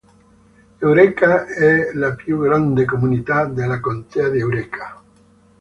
Eureka è la più grande comunità della contea di Eureka.